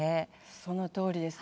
そのとおりです。